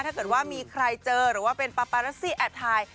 ถ้าเกิดว่ามีใครเจอหรือว่าเป็นปาปารัสซี่แอบถ่าย